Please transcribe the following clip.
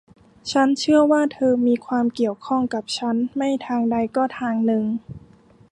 ฉันเชื่อว่าเธอมีความเกี่ยวข้องกับฉันไม่ทางใดก็ทางหนึ่ง